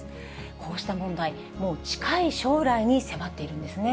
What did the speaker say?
こうした問題、もう近い将来に迫っているんですね。